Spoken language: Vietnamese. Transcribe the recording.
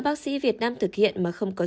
bác sĩ việt nam thực hiện mà không có